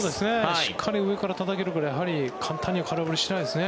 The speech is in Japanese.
しっかり上からたたけるぐらい簡単には空振りしないですね。